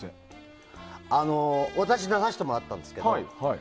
私出させてもらったんですけど。